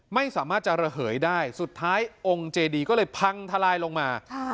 ไม่สามารถจะระเหยได้สุดท้ายองค์เจดีก็เลยพังทลายลงมา